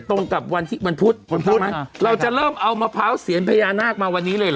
ตรงกับวันที่วันพุธวันพุธไหมเราจะเริ่มเอามะพร้าวเซียนพญานาคมาวันนี้เลยเหรอ